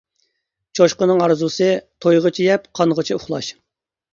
چوشقىنىڭ ئارزۇسى : تويغىچە يەپ قانغىچە ئۇخلاش.